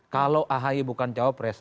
kalau ahe bukan cowopres